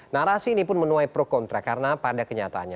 narasi ini pun menuai pro kontra karena pada kenyataannya